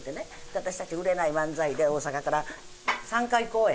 私たち売れない漫才で大阪から３回公演。